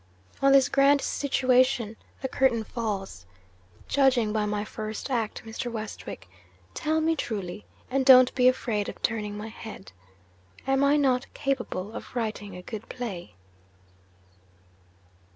'On this grand situation the curtain falls. Judging by my first act, Mr. Westwick, tell me truly, and don't be afraid of turning my head: Am I not capable of writing a good play?'